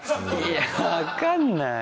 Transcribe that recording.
いや分かんない。